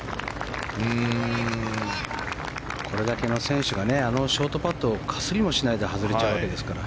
これだけの選手があのショートパットをかすりもしないで外れちゃうわけですから。